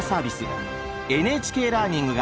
「ＮＨＫラーニング」がコラボ！